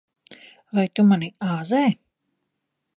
Vai tu mani āzē?